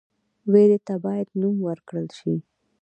ویرې ته باید نوم ورکړل شي.